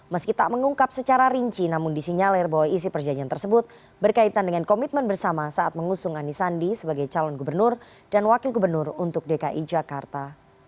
meski tak mengungkap secara rinci namun disinyalir bahwa isi perjanjian tersebut berkaitan dengan komitmen bersama saat mengusung anisandi sebagai calon gubernur dan wakil gubernur untuk dki jakarta